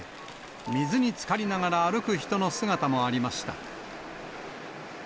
水につかりながら歩く人の姿もありました。